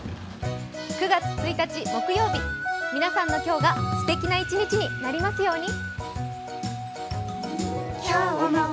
９月１日木曜日、皆さんの今日がすてきな一日になりますように。